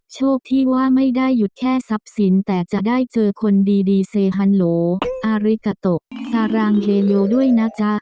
โชคที่ว่าไม่ได้หยุดแค่ทรัพย์สินแต่จะได้เจอคนดีเซฮันโลอาริกาโตสารางเฮโลด้วยนะจ๊ะ